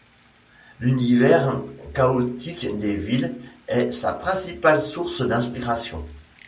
L'univers chaotique des villes est sa principale source d'inspiration.